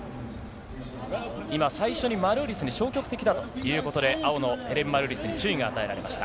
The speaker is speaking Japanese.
今、最初にマルーリスに消極的だということで、青のヘレン・マルーリスに注意が与えられました。